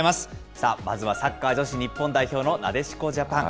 さあ、まずはサッカー女子日本代表のなでしこジャパン。